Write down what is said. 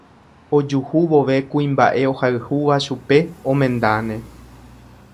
Ojuhu vove kuimba'e ohayhúva chupe omendáne.